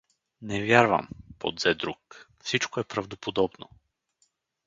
— Не вярвам — подзе друг, — всичко е правдоподобно.